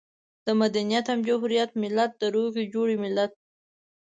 د مدنيت او جمهوريت ملت، د روغې جوړې ملت.